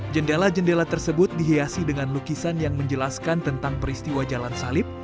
jendela jendela tersebut dihiasi dengan lukisan yang menjelaskan tentang peristiwa jalan salib